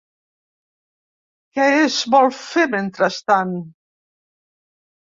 Què es vol fer mentrestant?